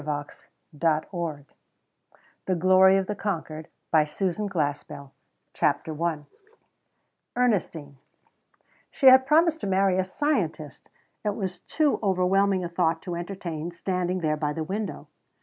"AND THERE WAS LIGHT" THE GLORY OF THE CONQUERED PART ONE CHAPTER I ERNESTINE She had promised to marry a scientist! It was too overwhelming a thought to entertain standing there by the window.